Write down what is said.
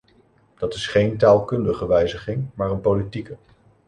Dat is geen taalkundige wijziging maar een politieke.